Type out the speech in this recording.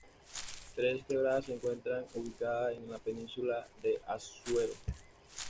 Tres Quebradas se encuentra ubicada en la península de Azuero.